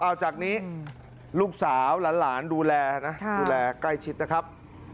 เอาจากนี้ลูกสาวหลานดูแลนะดูแลใกล้ชิดนะครับ